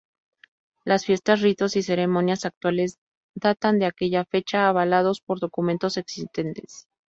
Las fiestas ritos y ceremonias actuales datan de aquella fecha, avalados por documentos existentes.